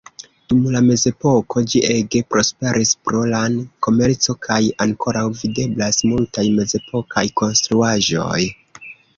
Dum la mezepoko ĝi ege prosperis pro lan-komerco, kaj ankoraŭ videblas multaj mezepokaj konstruaĵoj.